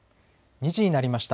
２時になりました。